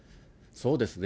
そうですね。